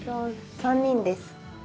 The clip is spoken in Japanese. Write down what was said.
３人です。